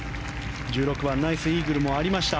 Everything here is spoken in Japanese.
１６番ナイスイーグルもありました。